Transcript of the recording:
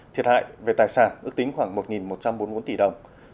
thiệt hại về tài sản ước tính khoảng một một trăm bốn mươi bốn tỷ đồng